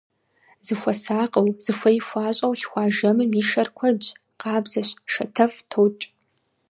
Зыхуэсакъыу, зыхуей хуащӀэу лъхуа жэмым и шэр куэдщ, къабзэщ, шатэфӀ токӀ.